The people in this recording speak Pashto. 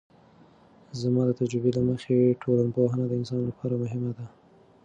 زما د تجربې له مخې ټولنپوهنه د انسان لپاره مهمه ده.